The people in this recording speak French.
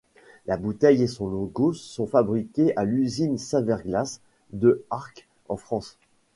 La bouteille et son logo sont fabriqués à l'usine Saverglass de Arques, en France.